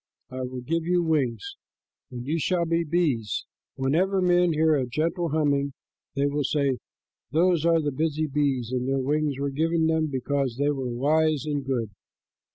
I will give you wings, and you shall be bees. Whenever men hear a gentle humming, they will say, 'Those are the busy bees, and their wings were given them because they were wise and good.'"